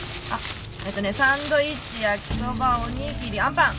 えっとねサンドイッチ焼きそばおにぎりあんパン。